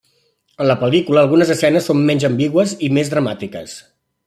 En la pel·lícula, algunes escenes són menys ambigües i més dramàtiques.